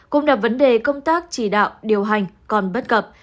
cũng là vấn đề công tác chỉ đạo điều hành còn bất cập